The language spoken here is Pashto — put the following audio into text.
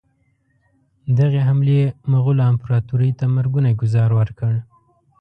دغې حملې مغولو امپراطوري ته مرګونی ګوزار ورکړ.